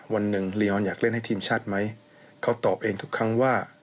วันหนึ่งลีออนอยากเล่นให้ทีมชาติไหมเขาตอบเองทุกครั้งว่า